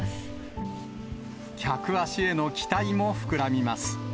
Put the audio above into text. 客足への期待も膨らみます。